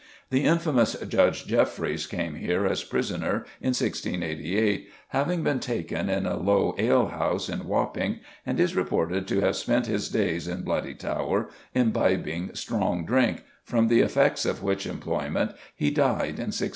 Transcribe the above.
The infamous Judge Jeffreys came here as prisoner in 1688, having been "taken" in a low ale house in Wapping, and is reported to have spent his days in Bloody Tower "imbibing strong drink," from the effects of which employment he died in 1689.